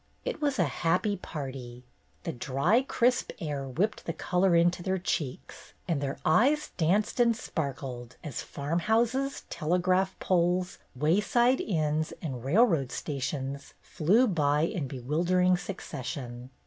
It was a happy party. The dry, crisp air whipped the color into their cheeks, and their eyes danced and sparkled as farmhouses, telegraph poles, wayside inns, and railroad stations flew by in bewildering succession.